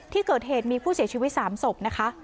ที่เกิดเหตุมีผู้เสียชีวิต๓ศพนะคะ